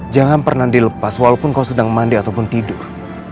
jangan pernah dilepas walaupun kau sedang mandi ataupun tidur